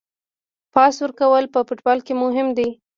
پاس ورکول په فوټبال کې مهم دي.